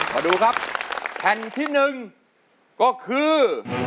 ขอดูครับแผ่นที่หนึ่งก็คือ